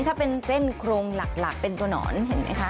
ถ้าเป็นเส้นโครงหลักเป็นตัวหนอนเห็นไหมคะ